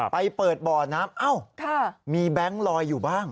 ไปเปิดบ่อน้ำเอ้ามีแบงค์ลอยอยู่บ้าง